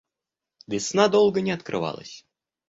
Весна долго не открывалась.